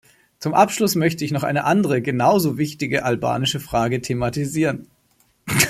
Zum Abschluss möchte ich noch eine andere, genauso wichtige albanische Frage thematisieren.